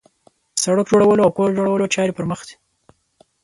د سړک جوړولو او کور جوړولو چارې پرمخ ځي